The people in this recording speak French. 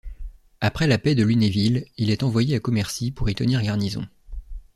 Après la paix de Lunéville, il est envoyé à Commercy pour y tenir garnison.